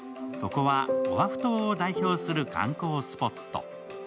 ここはオアフ島を代表する観光スポット。